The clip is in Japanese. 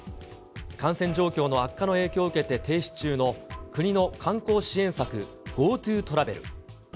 感染状況の悪化の影響を受けて停止中の国の観光支援策、ＧｏＴｏトラベル。